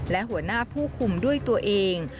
และหัวหน้าผู้คุมด้วยตัวเอง